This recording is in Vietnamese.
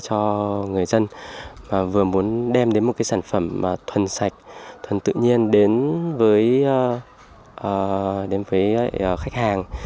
cho người dân và vừa muốn đem đến một sản phẩm thuần sạch thuần tự nhiên đến với khách hàng